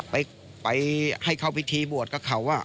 ไปให้เข้าพิธีบวชกับเขา